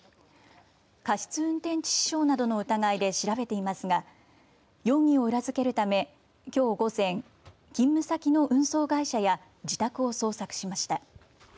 過失運転致死傷などの疑いで調べていますが容疑を裏付けるためきょう午前勤務先の運送会社や自宅を捜索しました。